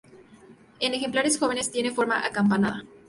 En ejemplares jóvenes tiene forma acampanada.